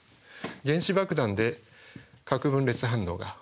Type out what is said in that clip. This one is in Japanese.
原子爆弾で核分裂反応が起きる。